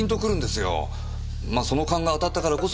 その勘が当たったからこそ。